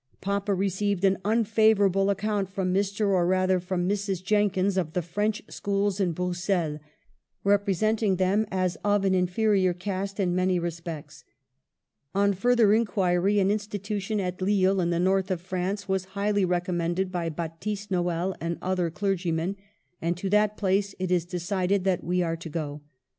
Papa received an unfavor able account from Mr. or rather from Mrs. Jenkins of the French schools in Bruxelles, representing them as of an inferior caste in many respects. On further inquiry an institution at Lille in the North of France was highly recommended by Baptist Noel and other clergymen, and to that place it is decided that we are to go.